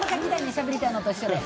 しゃべりたいのと一緒で。